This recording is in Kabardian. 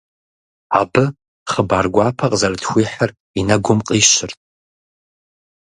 Абы хъыбар гуапэ къызэрытхуихьыр и нэгум къищырт.